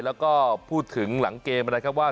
แล้วก็พูดถึงหลังเกมนะครับว่า